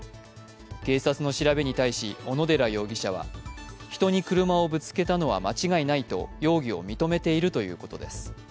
警察の調べに対し小野寺容疑者は人に車をぶつけたのは間違いないと容疑を認めているということです。